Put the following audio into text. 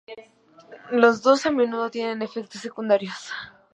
Los dos a menudo tienen efectos secundarios.